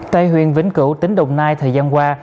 tây huyền vĩnh cửu tính đồng nai thời gian qua